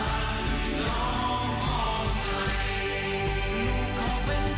ท่านคือพระราชาในรุ่นของภูมิประชาชาไทยภูมิสฤทธิ์ในหัวใจและรอดมา